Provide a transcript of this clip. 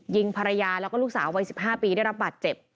ยิงภรรยาแล้วก็ลูกสาววัย๑๕ปีได้รับบาดเจ็บ